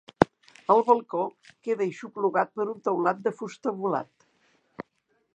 El balcó queda aixoplugat per un teulat de fusta volat.